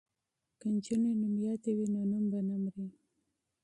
که نجونې مشهورې وي نو نوم به نه مري.